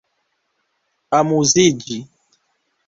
amuziĝi